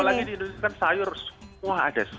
apalagi di indonesia kan sayur semua ada